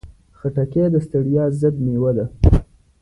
خټکی د ستړیا ضد مېوه ده.